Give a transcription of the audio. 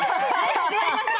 始まりました。